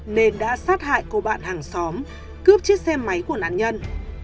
nên đã sát hại cô bạn hàng xóm cướp chiếc xe máy của nạn nhân